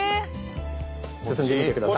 進んでみてください。